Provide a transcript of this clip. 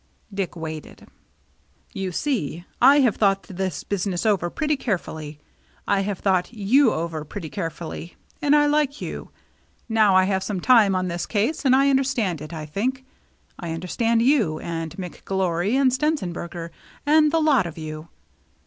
Dick waited. " You see, I have thought this business over pretty carefully; I have thought you over pretty carefully — and I like you. Now I have been some time on this case, and I under stand it, I think. I understand you, and McGlory, and Stenzenberger, and the lot of you.